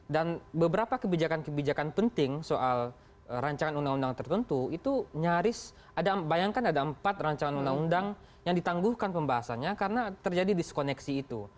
dan beberapa kebijakan kebijakan penting soal rancangan undang undang tertentu itu nyaris bayangkan ada empat rancangan undang undang yang ditangguhkan pembahasannya karena terjadi diskoneksi itu